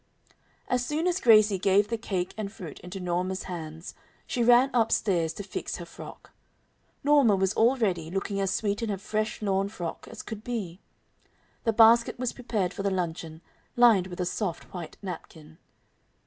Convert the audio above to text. As soon as Gracie gave the cake and fruit into Norma's hands she ran up stairs to fix her frock. Norma was all ready, looking as sweet in her fresh lawn frock as could be. The basket was prepared for the luncheon, lined with a soft white napkin.